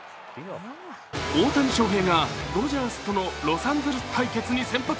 大谷翔平がドジャースとのロサンゼルス対決に先発。